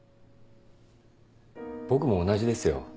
僕も同じですよ。